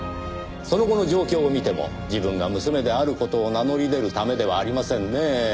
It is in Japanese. その後の状況を見ても自分が娘である事を名乗り出るためではありませんねえ。